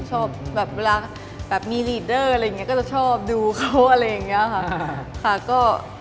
ชอบแบบเวลาแบบมีลีดเดอร์อะไรอย่างนี้ก็จะชอบดูเขาอะไรอย่างนี้ค่ะ